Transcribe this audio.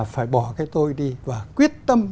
phải bỏ cái tôi đi và quyết tâm